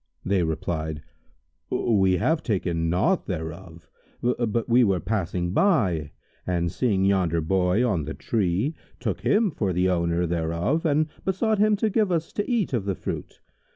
They replied "We have taken naught thereof; but we were passing by and seeing yonder Boy on the tree, took him for the owner thereof and besought him to give us to eat of the fruit.